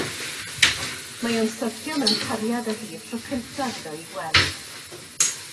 Mae o'n syrthio mewn cariad â hi y tro cyntaf iddo ei gweld.